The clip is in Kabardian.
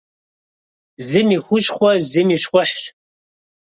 Зым и хущхъуэ зым и щхъухьщ.